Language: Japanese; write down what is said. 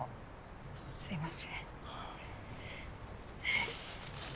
すいません。